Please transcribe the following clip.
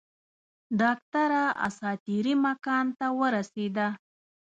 ډاکټره اساطیري مکان ته ورسېده.